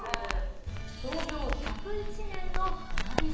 創業１０１年の花菱。